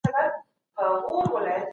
دلارام یو ډېر لوی او مشهور بازار لري